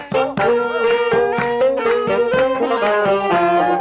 ทีนี้เราลองอย่างนี้ได้ไหม